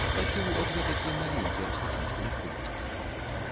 Хацеў от гэтакі маленькі распачаць калектыўчык.